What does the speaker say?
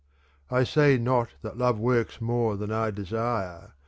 I say not that love works more than I desire